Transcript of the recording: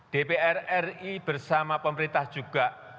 dpr ri bersama pemerintah juga